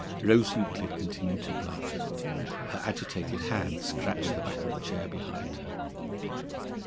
Rose Euclid continued to blush. Her agitated hand scratched the back of the chair behind her.